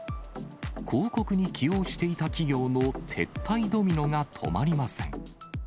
広告に起用していた企業の撤退ドミノが止まりません。